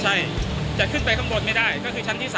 ใช่จะขึ้นไปข้างบนไม่ได้ก็คือชั้นที่๓